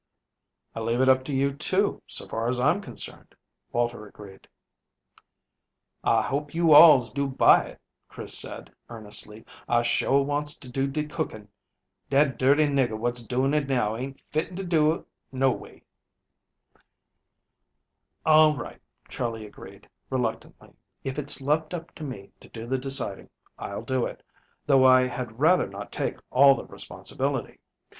"I leave it up to you, too, so far as I'm concerned," Walter agreed. "I hopes you alls do buy it," Chris said, earnestly; "I sho' wants to do de cookin'; dat dirty nigger what's doing it now ain't fitting to do hit, no way." "All right," Charley agreed, reluctantly. "If it's left up to me to do the deciding, I'll do it, though I had rather not take all the responsibility.